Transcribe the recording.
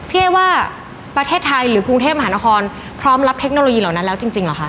เอ๊ว่าประเทศไทยหรือกรุงเทพมหานครพร้อมรับเทคโนโลยีเหล่านั้นแล้วจริงเหรอคะ